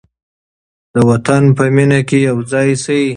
د وطن په مینه کې یو ځای شئ.